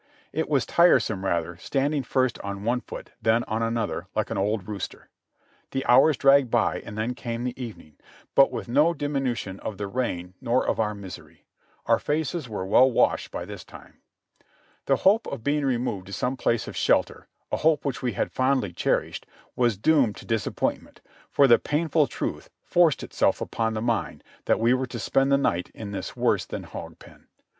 It was tiresome rather, standing first on one foot then on another, like an old rooster. The hours dragged by and then came the evening, but with no diminution of the rain nor of our misery ; our faces were well washed by this time. The hope of being removed to some place of shelter, a hope which we had fondly cherished, was doomed to disappoint ment, for the painful truth forced itself upon the mind that we were to spend the night in this worse than hog pen.